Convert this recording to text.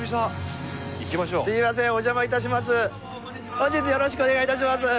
本日よろしくお願いいたします。